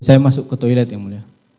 saya masuk ke toilet yang mulia